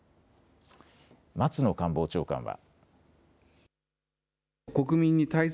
松野官房長官は。